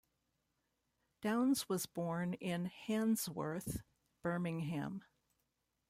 Downes was born in Handsworth, Birmingham.